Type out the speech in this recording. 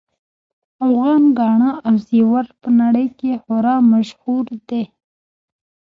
افغان ګاڼه او زیور په نړۍ کې خورا مشهور دي